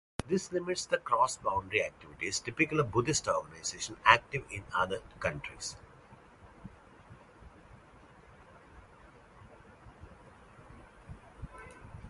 This limits the cross-boundary activities typical of the Buddhist organisations active in other countries.